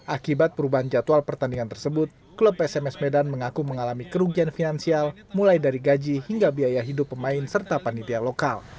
akibat perubahan jadwal pertandingan tersebut klub psms medan mengaku mengalami kerugian finansial mulai dari gaji hingga biaya hidup pemain serta panitia lokal